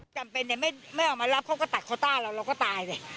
จำเป็นเนี่ยไม่ออกมารับเขาก็ตัดโคต้าเราเราก็ตายสิ